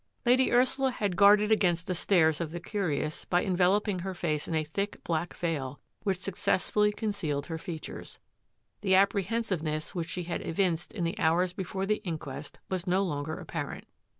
Lady Ursula had guarded against the stares of the curious by enveloping her face in a thick, black veil which successfully concealed her fea tures. The apprehensiveness which she had evinced in the hours before the inquest was no longer apparent.